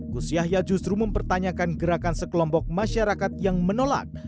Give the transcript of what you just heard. gus yahya justru mempertanyakan gerakan sekelompok masyarakat yang menolak